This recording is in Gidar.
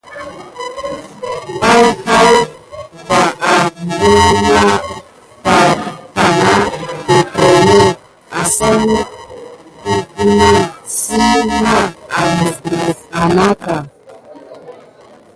Pay hayi va akelin na kubaye perpriké asane kubeline si an misdelife adake.